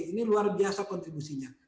ini luar biasa kontribusinya